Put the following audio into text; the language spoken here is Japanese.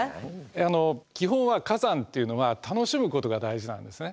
あの基本は火山っていうのは楽しむことが大事なんですね。